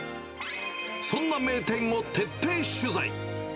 そんな名店を徹底取材。